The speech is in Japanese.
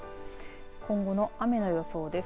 今後の雨の予想です。